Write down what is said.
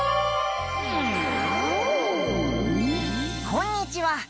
こんにちは。